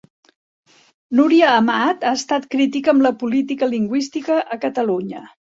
Núria Amat ha estat crítica amb la política lingüística a Catalunya.